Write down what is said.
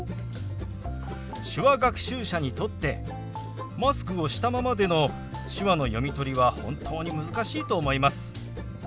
手話学習者にとってマスクをしたままでの手話の読み取りは本当に難しいと思います。